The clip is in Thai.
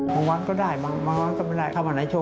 มีคนสั่งวันที่๕หอ๑๐หอก็พอไหว